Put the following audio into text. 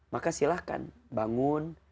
maka silahkan bangun